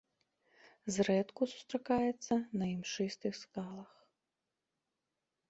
Зрэдку сустракаецца на імшыстых скалах.